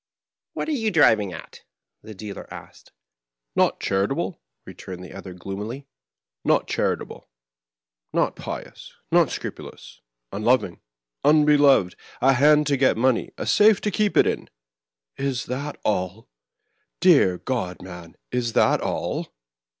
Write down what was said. " What are you driving at ?" the dealer asked. "Not charitable?" returned the other, gloomily. ^'Not charitable; not pious; not scrupulous; unloving, unbeloved ; a hand to get money, a safe to keep it. Is that all ? Dear God, man, is that all